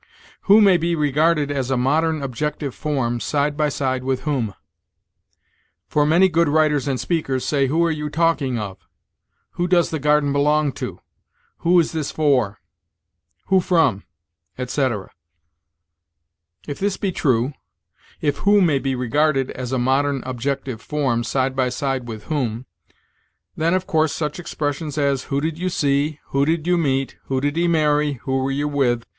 "Who may be regarded as a modern objective form, side by side with whom. For many good writers and speakers say 'who are you talking of?' 'who does the garden belong to?' 'who is this for?' 'who from?'" etc. If this be true if who may be regarded as a modern objective form, side by side with whom then, of course, such expressions as "Who did you see?" "Who did you meet?" "Who did he marry?" "Who were you with?"